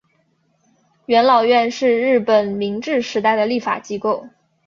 元老院是日本明治时代的立法机构。